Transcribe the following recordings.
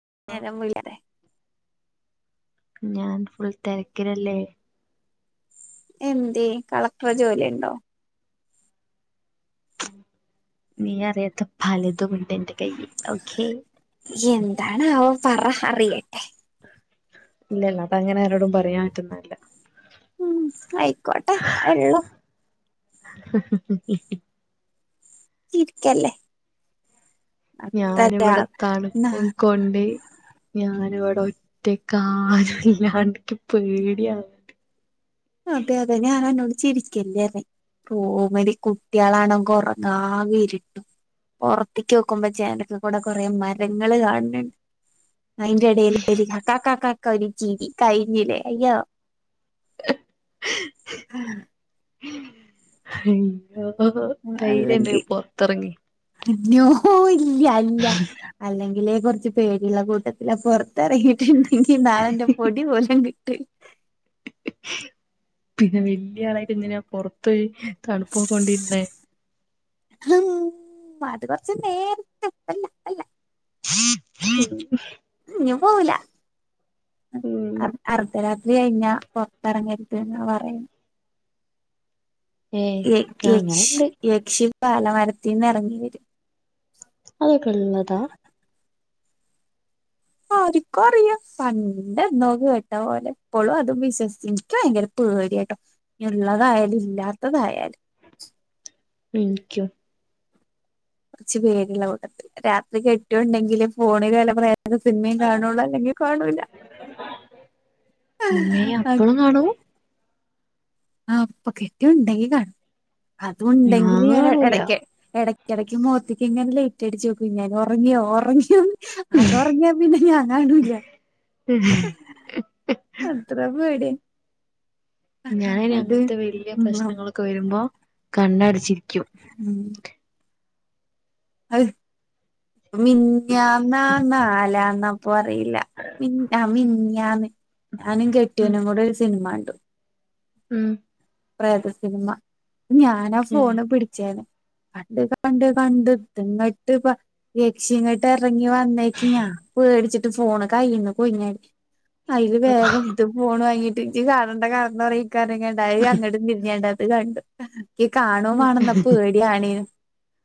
[unintelligible] ഞാൻ ഫുൾ തെരക്കിലല്ലേ? എന്തെയ് കളക്ടർ ജോലി ഇണ്ടോ? നീ അറിയാത്ത പലദുണ്ട്. എന്താണ് അവ പറ അറിയട്ടെ. ഇല്ലല്ല അതങ്ങനെ ആരോടും പറയാൻ പറ്റുന്നല്ല. ഉം ആയിക്കോട്ടെ ഇത്ര ള്ളു. ചിരിക്കല്ലേ. അത്തരാ ഞാനിവിടെ ന്നാ തണുപ്പും കൊണ്ട് ഞാനവിടെ ഒറ്റക്കാരുല്ലാണ്ട് ഇക്ക് പേടി ആവ്ണ്ട്. അതെ അതെ [unintelligible] ചിരിക്കല്ലേ മതി കുട്ടികളാണങ്ക ഉറങ്ങാ വെരിട്ടും. പൊറത്തേക്ക് നോക്കുമ്പോ ജനല് കൂടെ കൊറെ മരങ്ങള് കാണുന്നുണ്ട്. അയിന്റെ ഇടയിൽ ഒരു ക ക കാക്ക ഒരു ചിരി കഴിഞ്ഞില്ലേ അയ്യോ. ആഹ അയ്യ ധൈര്യം ണ്ടെങ്കി പൊറത്തെറങ്ങി അയ്യോഇല്ല ഇല്ല അല്ലെങ്കില് കുറച്ച് പേടിയുള്ള കൂട്ടത്തില. പൊറത്തിറങ്ങിയിട്ടുണ്ടെങ്കി നാളൻന്റെ പൊടി പോലും കിട്ട് പിന്നെ വല്യ ആളായിട്ട് ഇങ്ങനെ പൊറത്ത് തണുപ് കൊണ്ടിരുന്നേ? ഉം അത് കൊറച്ച് നേരത്തേ അല്ല. [unintelligible] ഇഞ്ഞ് പോവൂല ഉം അർദ്ധരാത്രി കഴിഞ്ഞ പുറത്തിറങ്ങരുത്ത എന്ന പറയ ഏയ് യ യക്ഷി അങ്ങനെണ്ട് യക്ഷി പാലമരത്തിൽന്നിറങ്ങി വരും അതൊക്കെ ഉള്ളതാ ആ ആരിക്കും അറിയാം പണ്ട് എന്തക്ക കേട്ട പോലെ എപ്പോഴും അതും വിശ്വസിക്കും ഭയങ്കര പരി കേട്ടോ ഉള്ളതായാലും ഇല്ലാത്തതായാലും മനിക്കൂ കുറച്ച പേരിള്ള കൂട്ടത്തിൽ രാത്രി കെട്ടിയോണ്ടെങ്കിലും ഫോണിൽ വില പറയാ അത് സിനിമയും കാണുള്ളൂ അല്ലെങ്കിൽ കാണൂല മ്മെ അപ്പളും കാണൂ ആ അപ്പൊ കെട്ടി ഉണ്ടെങ്കി കാണും അത ഉണ്ടെങ്കിൽ ഞാൻ ഇടക്ക്ട ഇിടയ്ക്ക് മഖത്തക്ക് ഇങ്ങനെ ലേറ്റ്ടിച്ച് നോക്കും ഇങ്ങനൻ ഉറങ്ങിയോ ഉറങ്ങിയോ അതറങ്ങിയാ പിന്നെ അങ്ങണല്ല അത്രപേടി ഞാന അങ്ങനത്തെ വലിയ ഉം പ്രശ്നങ്ങളൊക്കെ വരുമ്പോ കണ്ണടിച്ചിരിക്ക ഉം അഹ് മിഞാനാ നാലാന്നപ്പൊ അറിയില്ല മിന്ന മിന്നയാന്ന് അന ഉം കെട്ടിയോനും കൂടെഒരു സിനിമ ഉണ്ടു ഉം പ്രേത സിനിമ ഞാനാ ഏഹ് ഫോണ് പിടിച്ചായിന്ന് കണ്ട് കണ്ട് കണ്ട് ഇങ്ങോട്ട് ഇപ്പ യക്ഷി ഇങ്ങോട്ട്റ ഇറങ്ങി വന്നേക്ക ഞാ പേടിച്ചിട്ട് ഫോണ് കഴുന്നു കൊഴിഞ്ഞാടി അതില് അതാ വേഗം ഇട്ട് പോണ് വാങ്ങീട്ട് ഇി കാടേണ്ട കാരണംന്ന് പറക്കങ്ങണ്ട ണ്ടത് കണ്ടു എ കാണോമാണെന്ന പേടിയാണേും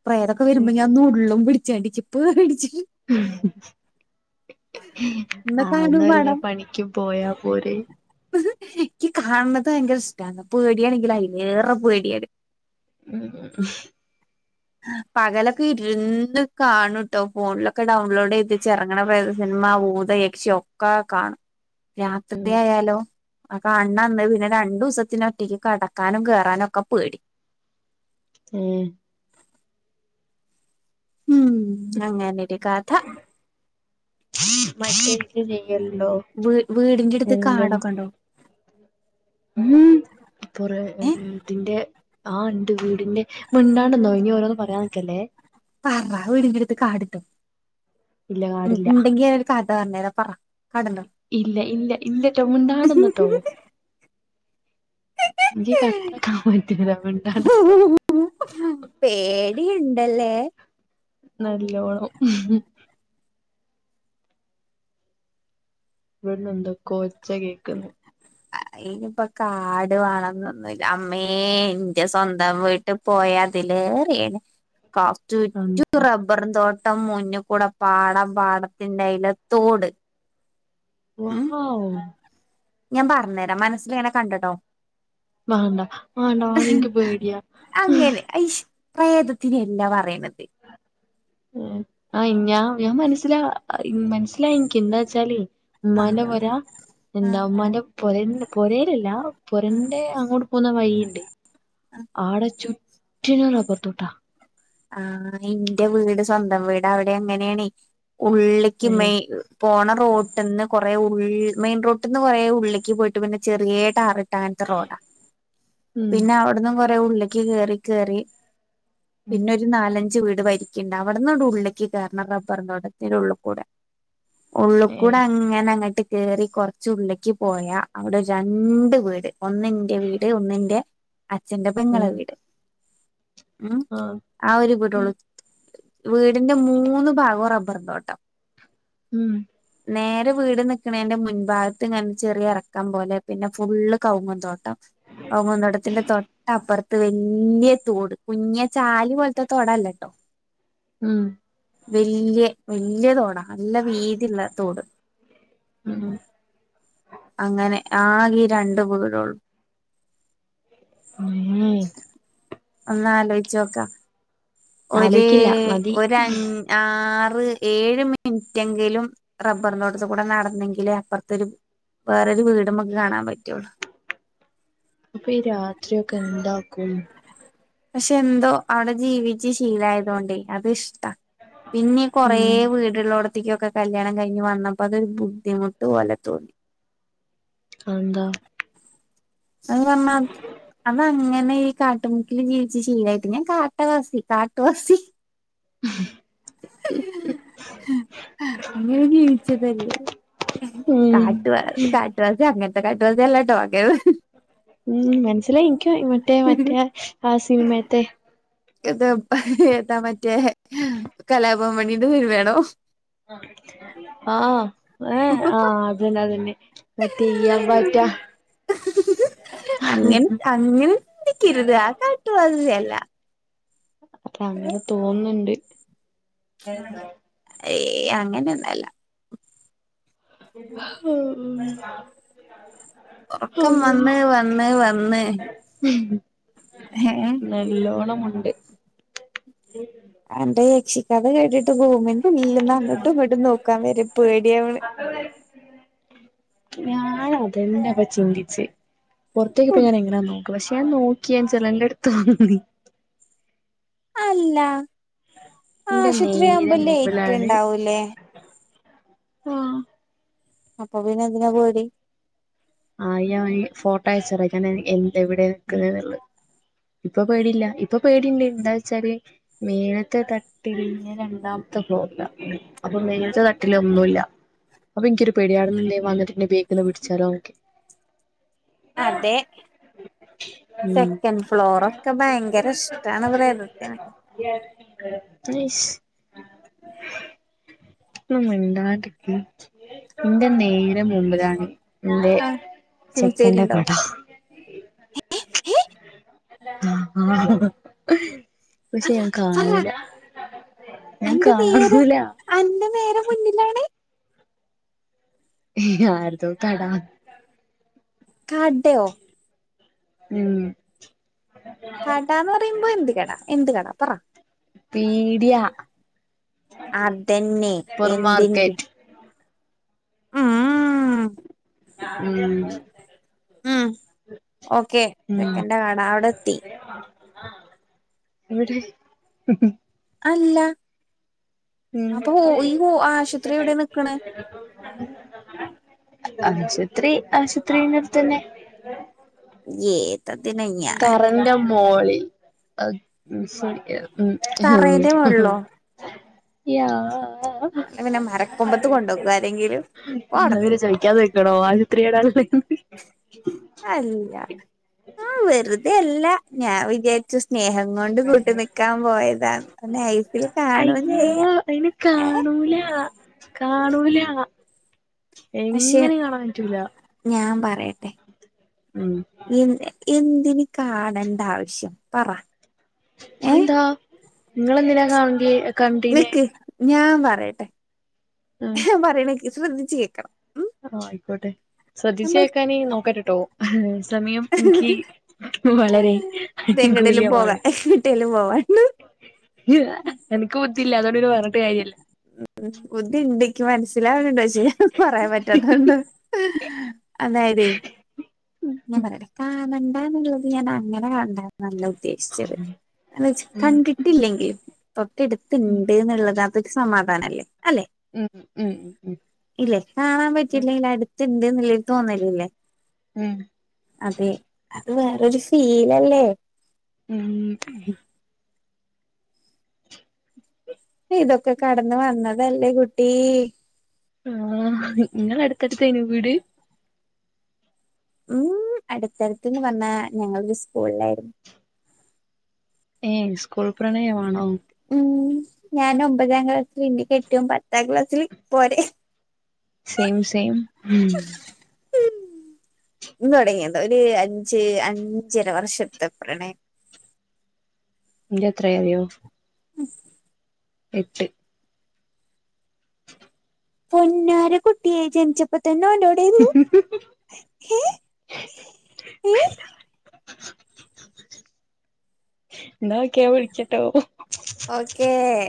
പ്രേതൊക്കെ വരുമ്പോ ഞാൻ ഉള്ളും പിടിച്ച കണ്ടി ച ഇപ്പ്േടിച്ച [unintelligible] ഇന്നെ ആന്നും കാണും അല്ല വാണം പണിക്കും പോയാ പോരെ എനിക്ക് കാണുന്നത് ഭയങ്കര ഇഷ്ട പേടിയാണെങ്കിലിൽ അേറെ പേടിയാണ് അക്ക [unintelligible] പകലൊക്കെ ഇരുന്ന് കാണൂട്ടോ ഫോണിലൊക്കെ ഡൗൺലോഡ് ചെയ്തി ചിറങ്ങണ പ്രയത് അമ്മ ഊത യക്ഷി ഒക്കെ കാണും രാത്രി ആയാലോ അക്കെ അണ്ണന്ന് പിന്നെ രണ്ടു ദിവസത്തിനൊറ്റേക്ക് കടക്കാനും കേയറാനും ഒക്കെ പേടി ഉം ഉം അങ്ങനെ ഒരു കാഥ മറ്റേ ഇത് ചെയ്യലുണ്ടോ വീ വീടിറെ അടുത്ത് കാടൊക്കെ ഉണ്ടോ ഉപ്പറ ഏ ഇതിന്റെ ആഹ് ഉണ്ട് വീടിന്റെ മിണ്ടാണെന്നോ ഇനി ഓരോന്നന്ന് പറയാൻ നിക്കല്ലേ പറ വീടിന്റെടുത്ത് ഇല്ല പാടില്ല കാടുഉണ്ടെങ്കി നോരു കഥ പറഞ്ഞരാാ പറ കാടുണ്ടോ ഇല്ല ഇല്ല ഇല്ലട്ടോ മുൻണ്ടാണന്നട്ടോ കത്തിണ്ടണ ണ്ടല്ലേ നല്ലോണം ഇവിടെന്ന് എന്തൊ കൊ ഒച്ച കേക്കുന്നു ഇനിപ്പൊ കാട് വേണംന്നൊന്നുമല്ല അമ്മേ എന്റെ സ്വന്തം വീട്ട് പോയാ അതിലേറിയ കാസ്റ്ററ്റ അള്ളാ റബ്ബറും തോട്ട ട്ടം മഞ്ഞ കൂടെ പാടം പാടത്തിന്റെ അയില തോട് ഉം വ്വാവൂ ഞാൻ പറഞ്ഞുതരാം മനസ്സില എങ്ങനെ കണ്ടട്ടോ വണ്ടാ വേണ്ട വാണെക്ക് പോയിടിയാ പ്രേതത്തിന്ല്ല പറയുന്നത് ആ [unintelligible] ആഹ് ഞാ ഞാൻ മനസ്സിലാ മനസ്സിലായി എനക്ക് എന്താ വെച്ചാല് ഉമ്മാന്റെ ആഹ് പോരാ എന്താ ആഹ് ഉമ്മാന്റെ പൊര പൊരയിലല്ല പൊരന്റെ അങ്ങോട്ട് പോകുന്ന വഴിയുണ്ട്. ആടെ ചുറ്റുനും റബ്ബർ തോട്ട ആ എന്റെ വീട് സ്വന്തം വീട് അവിടെ എങ്ങനെയണ. ഉള്ളിക്ക് ഏഹ് മെയി പോണ റോട്ടന്ന് കുറേ ഉൾ മെയിൻ റോട്ടിന്ന് നിന്ന് കൊറേ ഉള്ളിലേക്ക് പോയിട്ട് പിന്നെ ചെറിയ ടാർ ട്ട അങ്ങൻ റോഡാ ഉം പിന്നെ അവിടന്നും കൊറെ ഉള്ളേക്ക് കേറി കേറി ഉം പിന്നെ ഒരു നാലഞ്ച് വീട് വരിക്കുണ്ട് അവിടന്നോടെ ഉള്ളിലക്ക് കറണം റബ്ബർ തോട്ടത്തിൻ്റെ ഒരു ഉള്ള്കൂടെ. ഉള്ളിൽ കൂടെ ഏഹ് അങ്ങന അങ്ങട്ട് കയറി കുറച്ച് ഉള്ളേക്ക് പോയാ അവിടെ രണ്ട് വീട് ഒന്നിന്റെ വീട് ഒന്നിന്റെ അച്ഛന്റെ പെങ്ങളെ ഉം വീട് ഉം ആഹ് ആ ഒരു ഉം വീടുള്ളൂ വീടിന്റെ മൂന്ന് ഭാഗവും റബ്ബർന്തോട്ടം. ഉം. നേരെ വീട് നിക്കണേതിന്റെ മുൻഭാഗത്ത് ഇങ്ങനെ ചെറിയ ഇറക്കം പോലെ പിന്നെ ഫുള്ള് കവ്ങ്ങ തോട്ടം. കവുങ്ങുതോട്ടതിൻ്റെ തൊട്ടപ്പുറത്ത് വലിയ തോട് കുഞ്ഞ ചാല ഇ പോലത്തെ തുടല്ലാട്ടോ. ഉം. വല്യ വല്യ തോടാ നല്ല വീതിയുള്ള തോട്. ഉം ഉം അങ്ങനെ ആകെ രണ്ടു വീടുള്ളൂ. ഉം. ഒന്ന് ആലോച്ചോക്ക ഒരു ആലോയിക്കില്ല മതി ഒര ആ ഏഴ് മിനിറ്റ് എങ്കിലും റബ്ബറിനടുത്ത് കൂടെ നടന്നെങ്കിൽ അപ്പറത്തരു വേറരു വീട് മ്മുക്ക് കാണാൻ പറ്റുള്ളു. കും. പക്ഷെ എന്തോ അവിടെ ജീവി ച്ച് ശീലായതൊണ്ടേ അത് ഇഷ്ട പിന്നെ കൊറേ ഉം വീടിലോട് കുട്ടിക്കൊക്കെ കല്യാണം കഴിഞ്ഞ് വന്നപ്പോ അതൊരു ബുദ്ധിമുട്ട് പോലെ തോന്നി. അതെന്താ? [unintelligible] അങ്ങനെ ഈ കാട്ടുമുക്കില് ജീവിച്ചു ഷീലായിട്ട് ഞാൻ കാട്ടവാസി കാട്ടുവാസി. അങ്ങനെ ജീവിച്ചതല്ലേ ഉം കാട്ടു കാട്ടുവാസി അങ്ങന [unintelligible] ഉം മനസ്സിലായി എനിക്ക് മറ്റേ മറ്റേ ആ സിനിമയത്തെ എത് ഏതാ മറ്റേ കലാഭവൻ മണീന്റെ സിനിമയാണോ? ആ ഏ ആ അതന്നെ അതന്നെ. മറ്റേ ഇയ്യാം പാറ്റ അങ്ങ അങ്ങനക്കരുത് ആ കാട്ടുവാസിയല്ല. അപ്പൊ അങ്ങനെ തോന്നുന്നുണ്ട്. ഏയ് അങ്ങനെയൊന്നല്ല. അള്ളാ ഉറക്കം വന്ന് വന്ന് വന്ന് ഏഹ് നല്ലോണമുണ്ട്. [unintelligible] കഥ കേട്ടിട്ട് റൂമിൻ്റെ ഉള്ളീന്ന് അങ്ങോട്ടും ഇങ്ങോട്ടും നോക്കാൻ വരെ പേടിയാവണ്. ഞാൻ അതന്നെ അപ്പൊ ചിന്തിച്ച് പുറത്തേക്ക്പ്പ കു- ഞാൻ എങ്ങനാ നോക്ക? പക്ഷെ ഞാൻ നോക്കിയാ [unintelligible] അല്ല എന്റെ നേരെ ആശുപത്രിയാവുമ്പോ ലേറ്റ് ഉണ്ടാവൂലേ? ആ അപ്പ പിന്നെ ന്തിനാ പേടി ആയി ആയി ഫോട്ടോ ആഴ്ചര ന്തവിടെ നിക്കലെന്ന് ഇപ്പ പേടില്ലാ ഇപ്പ പേടിണ്ട് ന്താ ചാല് മേലത്തെ തട്ടി ഹ്ജേ രണ്ടാ അപ്പ മീലാത്ത തട്ടിലൊന്നുല്ല അപ്പനിക്കൊരു പേടി അവിടെന്ന് ന്തേ വന്നിട്ട് എന്നെ പിടിച്ചാലോ അതെ ഉം സെക്കന്റ് ഫ്ലോറോ ക്ക ഭയങ്കര ഇഷ്ട്ടാണ ഉം ഹ് മം മിണ്ടാണ്ടക്ക് ന്റെ നേരെ മുമ്പിലാണ് ഉം സെമിത്തേരിണ്ടോ ങ്‌ ങ്‌ ആ ആ പക്ഷേ ഞാൻ പറ കാണൂല ഞാൻ അന്റെ നേരെ കാണൂല അന്റെ നേരെ മുന്നിലാണ് ങ്‌ ഹേ അതു താടാ ക്കടോ ഉം കാടാന്ന് പറയുമ്പം എന്ത് കട എന്ത് കട പറ പേടിയാ അതന്നെ സൂപ്പർ എന്തിന്റെ മാർക്കറ്റ് ഉം അ ഉം ഉം ഒക്കെ ക്കന്റെ കാണാ അവിടെത്തി ആ എവിടെ ഉം ഉം അല്ല ഉം അപ്പൊ വോഈ ആശുപത്രി എവിടെ നിക്കണത് അസുത്രി ആശുത്രീന്റെ എടുത്തന്നെ ഹ്ങ്ങെ തറന്റെ മോളിൽ അ [inaudible] ഉംഗ്ങ് ഹും തറേന്റെ മുകളിലോ അല്ലപിന്നെ മരക്കൊമ്പത്ത് കൊണ്ടോയി വെക്കോ ആരെങ്കിലും ന്നാ പോടന്ന് പിന്നെ ചോയ്ക്കാ നിക്കണോ അല്ല ആ വെറുതെ അല്ല ഞാൻ വിചാരിച്ചു സ് നേഹം കൊണ്ട് കൂട്ട് നിക്കാ പോയതാ കാണും ചെയ്യഏ ണൂല കാണൂല പക്ഷെ എങ്ങനിം കാണാൻ പറ്റൂലാ ഞാൻ പറയട്ടെ എന്തിന് കാണണ്ട ആവശ്യം പറ ഏഹ് അതെന്താ ങ്ങളെന്തിനാ കാണാല് കണ്ടീനി ഞാപറയട്ടെ ങ്‌ ഹേ പറയണ് ശ്രദിച്ചു കേൾക്കണം അ ആ ആയ്കോട്ടെ ശ്രദ്ധിച്ചു കേക്കാന് നോക്കട്ടെട്ടോ ഹ് ഹേ തമയം എനിക്ക് വളരെ അനുകൂലി എങ്ങടേലും പോകാൻ മാണ് എങ്ങട്ടേലും പോവാണ്ട് ങ്‌ അനക്ക് ബുദ്ധിയില്ലാ ഉം ബുദ്ധി ണ്ട് ക്കി മനസ്സിലാവുണ് ണ്ട് പക്ഷേ പറയാൻ പറ്റാത്തൊണ്ട ങ്‌ ഹേ അതായത് ഞാൻ പറയേട്ടാ കാണണ്ട ന്ന്ള്ളത് ഞാൻ അങ്ങനെ കാണണ്ട ന്നല്ല ഉ.. ദ്ദേശിച്ചത് അത് വെച്ച് കണ്ടിട്ടില്ലെങ്കില് തൊട്ടടുത്ത് ണ്ട് ന്ന്ള്ളതാ സമാധാനല്ലേ അല്ലെ ഉം ഉം ഇല്ലേ കാണാൻ ഉം പറ്റിയില്ലേലും അടു ണ്ട് ന്നുള്ള തോന്നലല്ലേ ഉം അത് വേറാരു ഫീലല്ലേ ഉം ഉം ഇതൊക്കെ കടന്ന് വന്നതല്ലേ കുട്ടീ ആ നിങ്ങ അടുത്തടുത്തേന വീട് ഉം അടുത്തടുത്തന്ന് വന്ന ഞങ്ങരു സ്കൂളിലായിരുന്നു സ്കൂൾ പ്രണയമാണോ ഉം ഞാൻ ഒമ്പതാം ക്ലാസ്സിൽ ഇൻ്റെ കെട്ട്യോൻ പത്താം ക്ലാസ്സിൽ പോരെ സേം സേം ഇന്ന് തുടങ്ങിയത ഒരു അഞ്ച് അഞ്ചര വർഷത്തെ പ്രണയ ഇൻ്റെ എത്രയായറിയോ ഉ [inaudible] എട്ട് പൊന്നാര കുട്ട്യേ ജൻച്ചപ്പോ തന്നോൻ ഓടെന്നു എ എ എന്നാ ഒക്കെ വിളിക്കട്ടോ ഓക്കേ